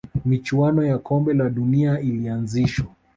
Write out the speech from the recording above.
michuano ya kombe la dunia ilianzishwa